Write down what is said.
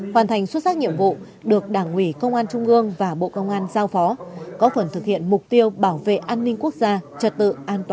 hoàn thành xuất sắc nhiệm vụ được đảng ủy công an trung ương và bộ công an giao phó có phần thực hiện mục tiêu bảo vệ an ninh quốc gia trật tự an toàn